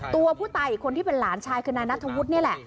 ตัวผู้ตายอีกคนที่เป็นหลานชายคือนายนัทธวุฒินี่แหละ